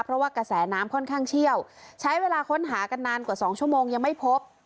เพราะว่ากระแสน้ำค่อนข้างเชี่ยวใช้เวลาค้นหากันนานกว่า๒ชั่วโมงยังไม่พบ